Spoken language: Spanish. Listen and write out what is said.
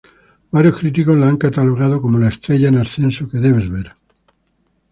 Varios críticos la han catalogado como la ""estrella en ascenso que debes ver"".